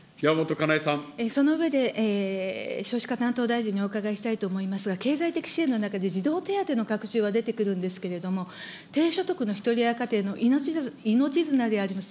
その上で、少子化担当大臣にお伺いしたいと思いますが、経済的支援の中で、児童手当の拡充は出てくるんですけれども、低所得のひとり親家庭の命綱であります